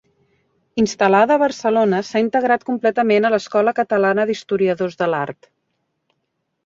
Instal·lada a Barcelona s'ha integrat completament a l'escola catalana d'historiadors de l'art.